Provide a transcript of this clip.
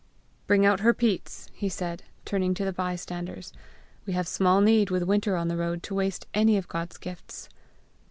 "Bring out her peats," he said, turning to the bystanders; "we have small need, with winter on the road, to waste any of God's gifts!"